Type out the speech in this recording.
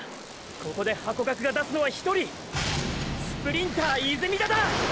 ここでハコガクが出すのは１人ーースプリンター泉田だ！！